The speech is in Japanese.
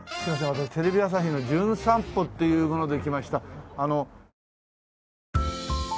私テレビ朝日の『じゅん散歩』っていうもので。